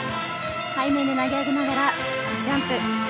背面投げ上げながらジャンプ。